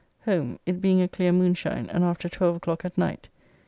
Home, it being a clear moonshine and after 12 o'clock at night.